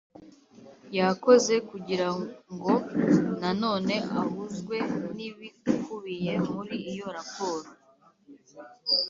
yakoze kugirango na none ahuzwe n ‘ibikubiye muri iyo raporo